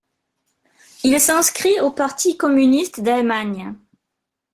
Il s'inscrit au parti communiste d'Allemagne.